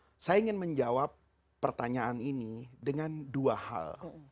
pertama saya ingin menjawab pertanyaan ini dengan dua hal